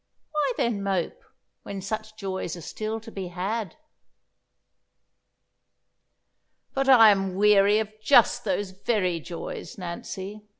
Why, then, mope, when such joys are still to be had?" "But I am weary of just those very joys, Nancy!"